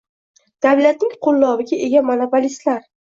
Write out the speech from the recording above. Davlatning qo‘lloviga ega monopolistlar